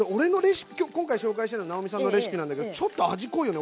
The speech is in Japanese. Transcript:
今回紹介してるの直美さんのレシピなんだけどちょっと味濃いよね